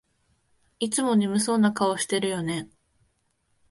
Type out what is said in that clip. いつも眠そうな顔してるよね